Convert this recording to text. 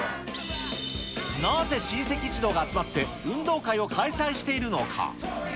なぜ親戚一同が集まって運動会を開催しているのか。